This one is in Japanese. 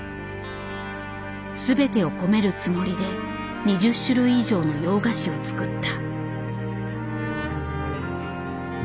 全てを込めるつもりで２０種類以上の洋菓子を作った。